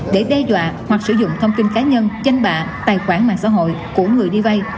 để đe dọa hoặc sử dụng thông tin cá nhân danh bạ tài khoản mạng xã hội của người đi vây